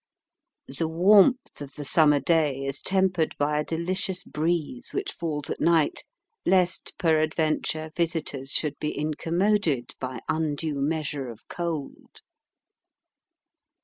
The warmth of the summer day is tempered by a delicious breeze, which falls at night, lest peradventure visitors should be incommoded by undue measure of cold.